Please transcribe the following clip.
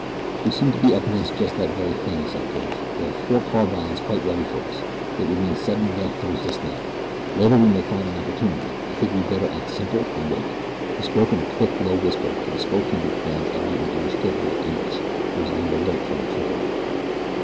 "We seem to be up against just that very thing," said Bridge. "There are four carbines quite ready for us. It would mean sudden death to resist now. Later we may find an opportunity I think we'd better act simple and wait." He spoke in a quick, low whisper, for the spokesman of the brigands evidently understood a little English and was on the alert for any trickery.